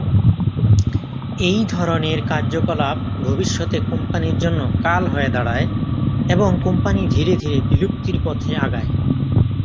এই ধরনের কার্যকলাপ ভবিষ্যতে কোম্পানির জন্য কাল হয়ে দাড়ায় এবং কোম্পানি ধীরে ধীরে বিলুপ্তির পথে আগায়।